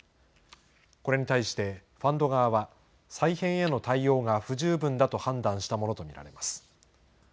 これに対してファンド側は、再編への対応が不十分だと判断したものと見られます。